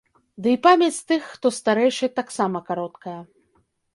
Дый памяць тых, хто старэйшы, таксама кароткая.